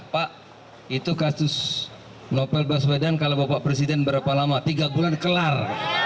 pak itu kasus novel baswedan kalau bapak presiden berapa lama tiga bulan kelar